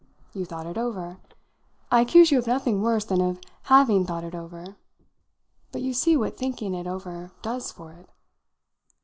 You thought it over. I accuse you of nothing worse than of having thought it over. But you see what thinking it over does for it."